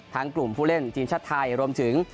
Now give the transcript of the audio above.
กลุ่มผู้เล่นทีมชาติไทยรวมถึง